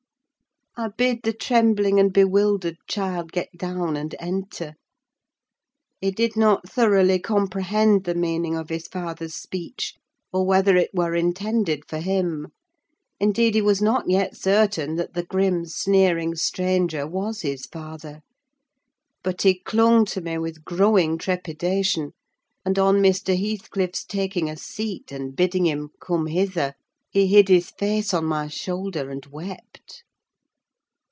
I bid the trembling and bewildered child get down, and enter. He did not thoroughly comprehend the meaning of his father's speech, or whether it were intended for him: indeed, he was not yet certain that the grim, sneering stranger was his father. But he clung to me with growing trepidation; and on Mr. Heathcliff's taking a seat and bidding him "come hither" he hid his face on my shoulder and wept.